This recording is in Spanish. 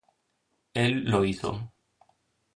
Él lo hizo.